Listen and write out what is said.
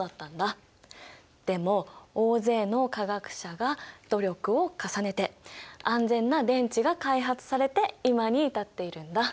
でも大勢の化学者が努力を重ねて安全な電池が開発されて今に至っているんだ。